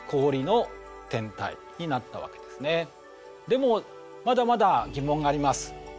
でもまだまだ疑問があります。